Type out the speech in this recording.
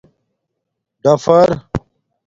ڈَفَر